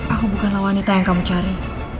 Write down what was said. aku bukanlah wanita yang kamu cari